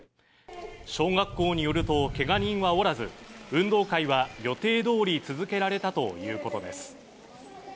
小学校によると、けが人はおらず、運動会は予定どおり続けられたということです。